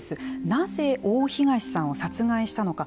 なぜ大東さんを殺害したのか